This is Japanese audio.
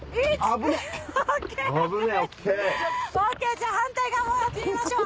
じゃあ反対側もやってみましょう。